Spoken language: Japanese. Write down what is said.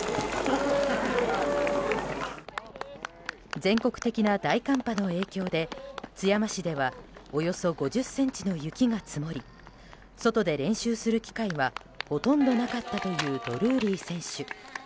全国的な大寒波の影響で津山市ではおよそ５０ｃｍの雪が積もり外で練習する機会はほとんどなかったというドルーリー選手。